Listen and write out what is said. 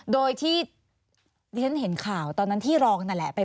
โดยที่ดิฉันเห็นข่าวตอนนั้นที่รองนั่นแหละ